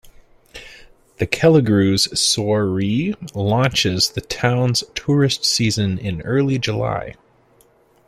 The Kelligrews Soiree launches the Town's tourist season in early July.